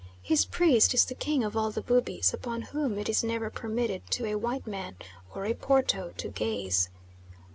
His priest is the King of all the Bubis, upon whom it is never permitted to a white man, or a Porto, to gaze.